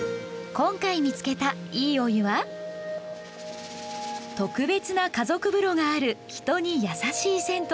今回見つけたいいお湯は特別な家族風呂がある人にやさしい銭湯。